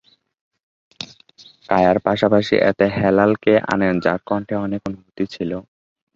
কায়া’র পাশাপাশি এতে হেলাল’কে আনেন যার কন্ঠে অনেক অনুভূতি ছিল।